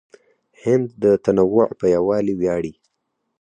هند د تنوع په یووالي ویاړي.